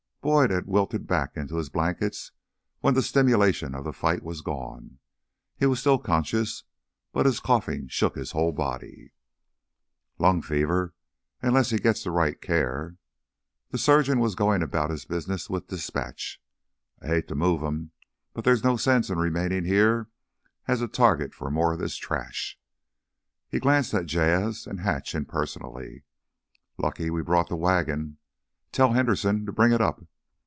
Boyd had wilted back into his blankets when the stimulation of the fight was gone. He was still conscious, but his coughing shook his whole body. "Lung fever, unless he gets the right care." The surgeon was going about his business with dispatch. "I hate to move him, but there's no sense in remaining here as a target for more of this trash." He glanced at Jas' and Hatch impersonally. "Lucky we brought the wagon. Tell Henderson to bring it up.